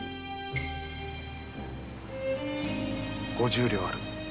五十両ある。